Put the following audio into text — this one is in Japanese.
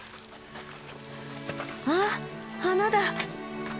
あっ花だ！